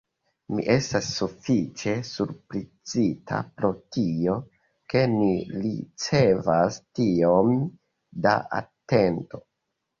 Mi estas sufiĉe surprizita pro tio, ke ni ricevas tiom da atento.